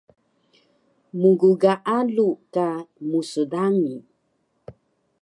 Mggaalu ka msdangi